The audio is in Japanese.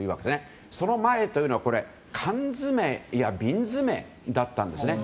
その前というのは缶詰や瓶詰だったんですね。